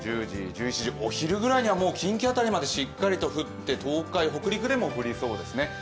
お昼くらいには近畿辺りまでしっかりと降って、東海、北陸でも降りそうですね。